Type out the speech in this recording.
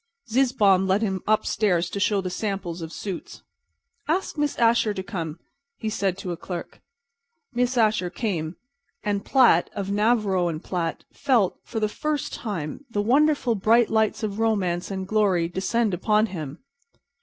Zizzbaum led him up stairs to show the samples of suits. "Ask Miss Asher to come," he said to a clerk. Miss Asher came, and Platt, of Navarro & Platt, felt for the first time the wonderful bright light of romance and glory descend upon him.